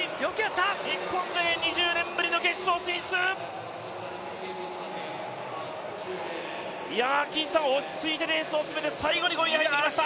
日本勢、２０年ぶりの決勝進出落ち着いてレースを進めて、最後５位に入ってきました。